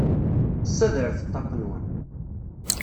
Ssadret ṭṭaq-nwen!